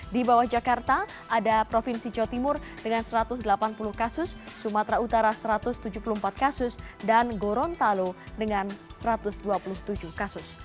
di bawah jakarta ada provinsi jawa timur dengan satu ratus delapan puluh kasus sumatera utara satu ratus tujuh puluh empat kasus dan gorontalo dengan satu ratus dua puluh tujuh kasus